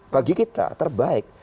bagi kita terbaik